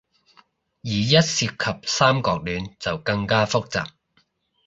而一涉及三角戀，就更加複雜